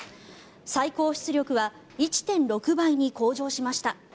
最高出力は１．６倍に向上しました。